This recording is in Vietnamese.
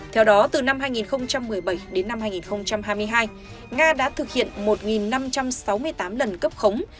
theo đó từ năm hai nghìn một mươi bảy đến năm hai nghìn hai mươi hai nga đã thực hiện một năm trăm sáu mươi tám lần cấp khống